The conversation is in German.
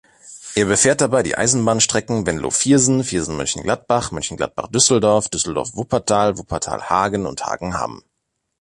Er befährt dabei die Eisenbahnstrecken Venlo–Viersen, Viersen–Mönchengladbach, Mönchengladbach–Düsseldorf, Düsseldorf–Wuppertal, Wuppertal–Hagen und Hagen–Hamm.